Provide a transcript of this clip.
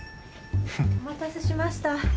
お待たせしました。